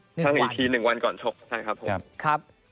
ช่างอีกที๑วันก่อนชกใช่ครับผม